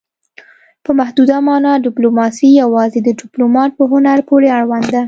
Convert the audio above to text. په محدوده مانا ډیپلوماسي یوازې د ډیپلومات په هنر پورې اړوند ده